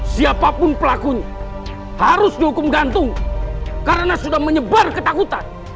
siapapun pelakunya harus dihukum gantung karena sudah menyebar ketakutan